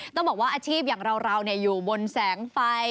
ต้องบอกว่าอาชีพอย่างเราอยู่บนแสงไฟ